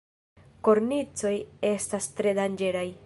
Kornicoj estas tre danĝeraj.